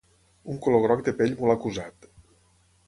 Un color groc de pell molt acusat.